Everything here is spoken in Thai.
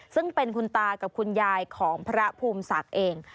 ซึ่งเป็นคุณตากับคุณยายของพระภูมิศักดิ์เอง